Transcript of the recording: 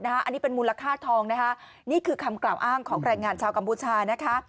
อันนี้เป็นมูลค่าทองนะคะนี่คือคำกล่าวอ้างของแรงงานชาวกัมพูชานะคะ